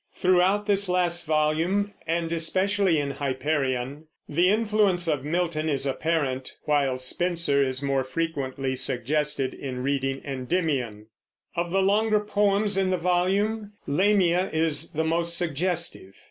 Throughout this last volume, and especially in "Hyperion," the influence of Milton is apparent, while Spenser is more frequently suggested in reading Endymion. Of the longer poems in the volume, "Lamia" is the most suggestive.